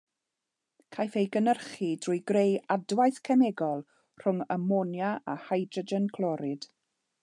Caiff ei gynhyrchu drwy greu adwaith cemegol rhwng amonia a hydrogen clorid.